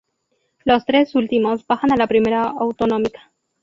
Los tres últimos bajan a la Primera Autonómica.